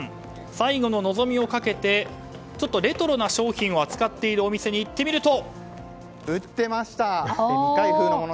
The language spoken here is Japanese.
最後の望みをかけてレトロな商品を扱っているお店に行ってみると。